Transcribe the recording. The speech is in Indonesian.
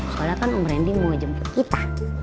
soalnya kan om branding mau jemput kita